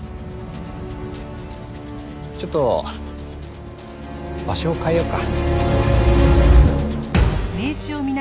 ちょっと場所を変えようか。